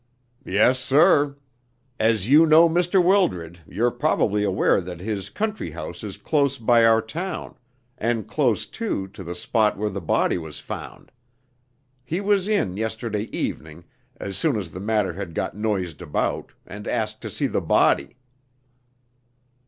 "Yes, sir. As you know Mr. Wildred, you're probably aware that his country house is close by our town, and close, too, to the spot where the body was found. He was in yesterday evening, as soon as the matter had got noised about, and asked to see the body."